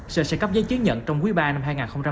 sở sẽ cấp giấy chứng nhận trong quý ba năm hai nghìn hai mươi